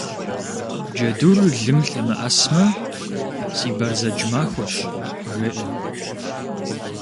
Джэдур лым лъэмыӏэсмэ, си бэрзэдж махуэщ, жеӏэ.